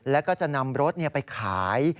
แล้วก็จะนำรถไปขาย